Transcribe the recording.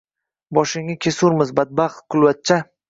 -Boshingni kesurmiz, badbaxt, qulvachcha!